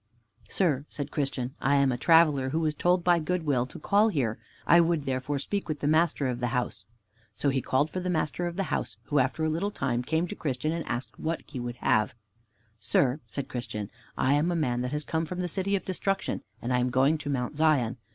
"Sir," said Christian, "I am a traveler who was told by Good will to call here. I would therefore speak with the master of the house." So he called for the master of the house, who, after a little time, came to Christian and asked what he would have. "Sir," said Christian, "I am a man that has come from the City of Destruction, and I am going to Mount Zion.